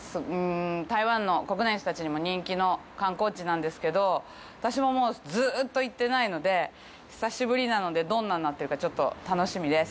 台湾の国内の人たちにも人気の観光地なんですけど、私ももうずうっと行ってないので、久しぶりなので、どんなになってるか、ちょっと楽しみです。